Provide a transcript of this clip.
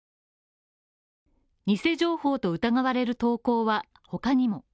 偽情報と疑われる投稿は、他にも。